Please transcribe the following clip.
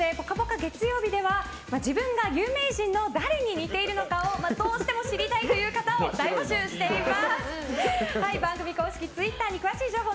月曜日では自分が有名人の誰に似ているのかをどうしても知りたいという方を今週もやるみたいです。